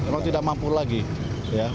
memang tidak mampu lagi ya